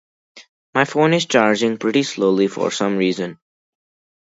My phone is charging pretty slowly for some reason.